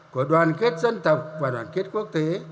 của đoàn kết dân tộc và đoàn kết quốc tế